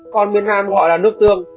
còn miền nam gọi là nước tương